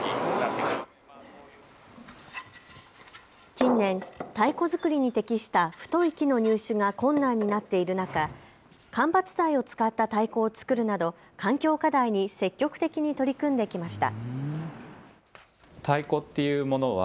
近年、太鼓作りに適した太い木の入手が困難になっている中、間伐材を使った太鼓を作るなど環境課題に積極的に取り組んできました。